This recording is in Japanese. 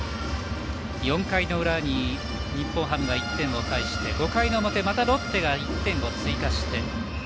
４回の裏に日本ハム１点を返して５回の表またロッテは１点を取り返しました。